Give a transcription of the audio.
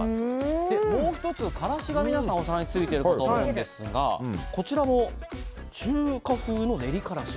もう１つからしがついていると思うんですがこちらも中華風の練りからし。